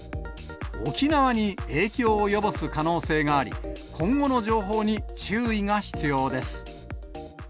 沖縄に影響を及ぼす可能性があり、今後の情報に注意が必要です。